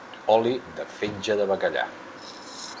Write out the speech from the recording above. Oli de fetge de bacallà.